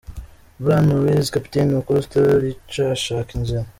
Bryan Ruiz kapiteni wa Costa Rica ashaka inzira .